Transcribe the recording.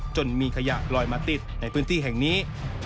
จนมีขยะลอยมาติดในพื้นที่แห่งนี้